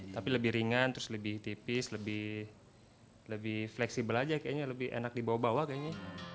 tapi lebih ringan lebih tipis lebih fleksibel aja lebih enak dibawa bawa kayaknya